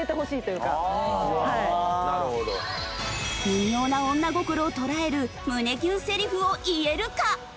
微妙な女心を捉える胸キュンセリフを言えるか！？